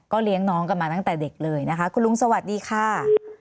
เลี้ยงน้องกันมาตั้งแต่เด็กเลยนะคะคุณลุงสวัสดีค่ะ